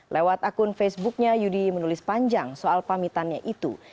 lewat akun facebooknya yudi menulis panjang soal pamitannya itu